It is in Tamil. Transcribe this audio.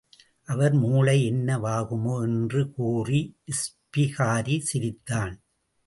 அவர் மூளை என்ன வாகுமோ என்று கூறி இஸ்பிகாரி சிரித்தான்.